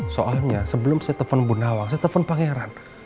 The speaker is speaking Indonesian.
soalnya sebelum saya telfon ibu nawang saya telfon pangeran